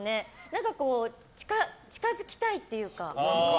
何か、近づきたいっていうか。